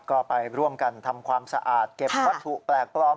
ก็ไปร่วมกันทำความสะอาดเก็บวัตถุแปลกปลอม